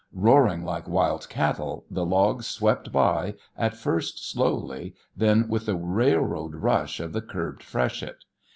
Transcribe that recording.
Roaring like wild cattle the logs swept by, at first slowly, then with the railroad rush of the curbed freshet.